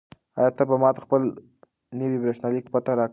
آیا ته به ماته خپله نوې بریښنالیک پته راکړې؟